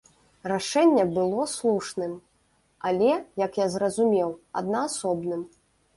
Рашэнне было слушным, але, як я зразумеў, аднаасобным.